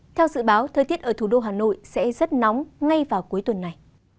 theo dự báo thời tiết ở thủ đô hà nội sẽ rất nóng ngay vào cuối tuần này